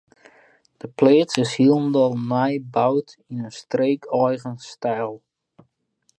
De pleats is hielendal nij boud yn in streekeigen styl.